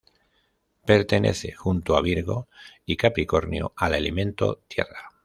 Pertenece junto a Virgo y Capricornio al elemento tierra.